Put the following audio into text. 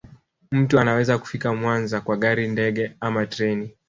Mtu anaweza kufika Mwanza kwa gari ndege ama treni